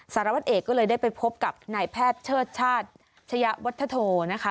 สารวัตรเอกก็เลยได้ไปพบกับนายแพทย์เชิดชาติชะยะวัฒโธนะคะ